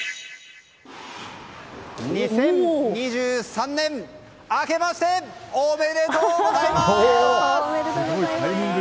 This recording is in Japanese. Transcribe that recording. ２０２３年あけましておめでとうございます。